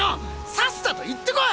さっさと行ってこい！